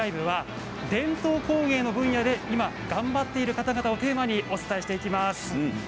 ＬＩＶＥ」は伝統工芸の分野で頑張っている方々をテーマでお伝えしていきます。